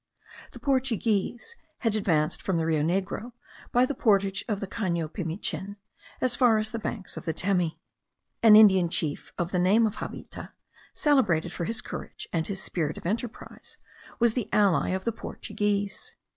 The Portuguese had advanced from the Rio Negro, by the portage of the Cano Pimichin, as far as the banks of the Temi. An Indian chief of the name of Javita, celebrated for his courage and his spirit of enterprise, was the ally of the Portuguese.